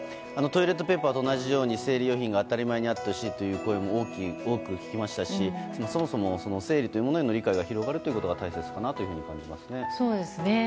トイレットペーパーと同じように生理用品が当たり前にあってほしいという声を多く聞きましたし、そもそも生理というものへの理解が広がることが大切かなと感じますね。